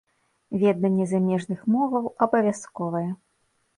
Веданне замежных моваў абавязковае.